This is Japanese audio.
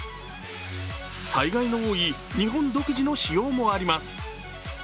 災害の多い日本独自の仕様もあります。